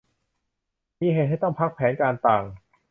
มีเหตุให้ต้องพักแผนการต่าง